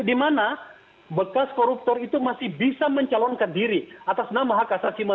di mana bekas koruptor itu masih bisa mencalonkan diri atas nama hak asasi manusia